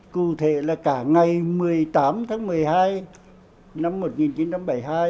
cụ thể là cả ngày một mươi tám tháng một mươi hai năm một nghìn chín trăm bảy mươi hai